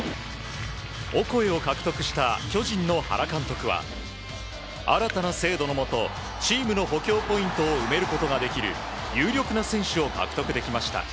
オコエを獲得した巨人の原監督は新たな制度のもとチームの補強ポイントを埋めることができる有力な選手を獲得できました。